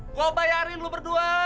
gue bayarin lo berdua